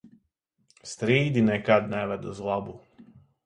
Strīdi nekad neved uz labu.